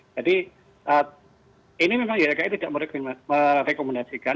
jadi ini memang ylki tidak merekomendasikan